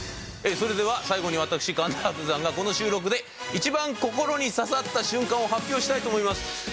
それでは最後に私神田伯山がこの収録で一番心に刺さった瞬間を発表したいと思います。